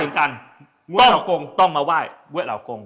ก็มาว่ายเวว่าเรากง